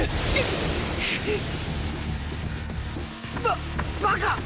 わっバカ！